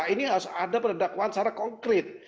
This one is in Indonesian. ini harus ada pada dakwaan secara konkret